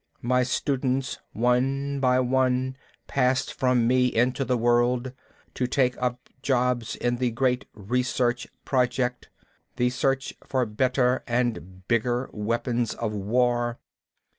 My students, one by one, passed from me into the world, to take up jobs in the great Research Project, the search for better and bigger weapons of war.